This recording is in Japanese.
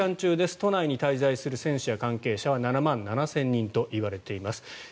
都内に滞在する選手や関係者は７万７０００人といわれています。